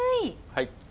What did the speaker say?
はい。